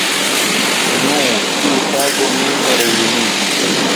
Nu, tiu tago min rejunigis.